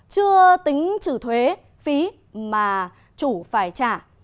chưa tính trừ thuế phí mà chủ phải trả